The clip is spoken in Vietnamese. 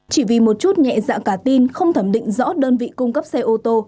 chỉ vì một chút nhẹ dạ cả tin không thẩm định rõ đơn vị cung cấp xe ô tô